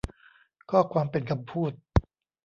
ข้อความเป็นคำพูด